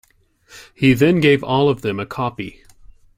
He then gave all of them a copy.